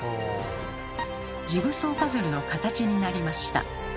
ジグソーパズルの形になりました。